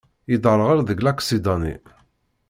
Yedderɣel deg laksida-nni.